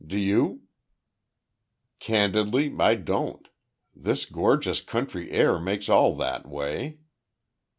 Do you?" "Candidly, I don't. This gorgeous country air makes all that way."